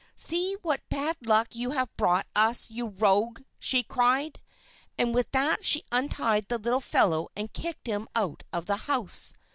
"See what bad luck you have brought us, you rogue!" she cried. And with that she untied the little fellow and kicked him out of the house.